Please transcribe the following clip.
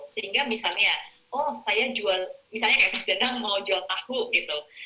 sehingga misalnya oh saya jual misalnya ems danang mau jual tahu gitu